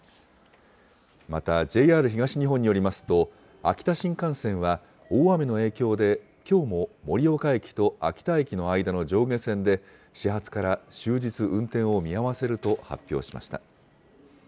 また、ＪＲ東日本によりますと、秋田新幹線は大雨の影響で、きょうも盛岡駅と秋田駅の間の上下線で、始発から終日運転を見合わせると発表しました。